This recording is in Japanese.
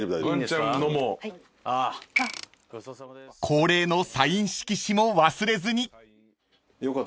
［恒例のサイン色紙も忘れずに］